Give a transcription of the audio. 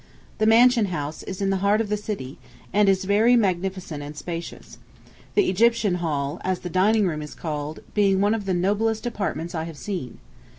The Mansion House is in the heart of the City, and is very magnificent and spacious, the Egyptian Hall, as the dining room is called, being one of the noblest apartments I have seen.